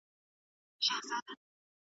پوهه د تعصب مخه نیسي.